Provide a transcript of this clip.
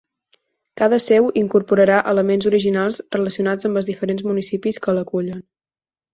Cada seu incorporarà elements originals relacionats amb els diferents municipis que l'acullen.